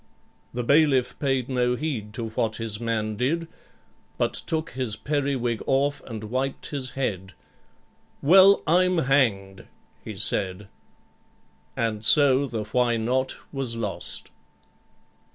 The bailiff paid no heed to what his man did, but took his periwig off and wiped his head. 'Well, I'm hanged,' he said; and so the Why Not? was lost.